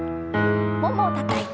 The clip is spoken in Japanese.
ももをたたいて。